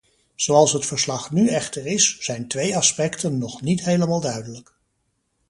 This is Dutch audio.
Zoals het verslag nu echter is, zijn twee aspecten nog niet helemaal duidelijk.